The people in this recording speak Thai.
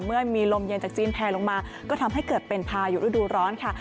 เมื่อมีลมเย็นจากจีนแผลลงมาก็ทำให้เกิดเป็นพายุฤดูร้อนค่ะ